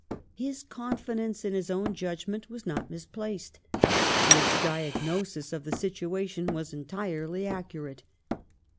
^ His con fidence in his own judgment was not misplaced. His diagnosis of the situation was entirely accurate.